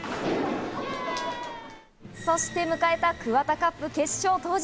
そして迎えたＫＵＷＡＴＡＣＵＰ決勝当日。